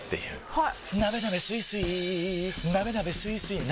・はい！